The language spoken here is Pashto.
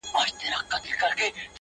• یو څه بېخونده د ده بیان دی,